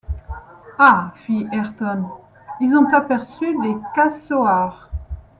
Ah! fit Ayrton, ils ont aperçu des casoars !